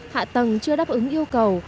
hạ tầng chưa đáp ứng yêu cầu